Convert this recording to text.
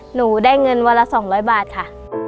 หนูได้เงินวันละ๒๐๐บาทค่ะ